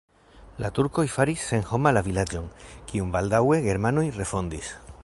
La turkoj faris senhoma la vilaĝon, kiun baldaŭe germanoj refondis.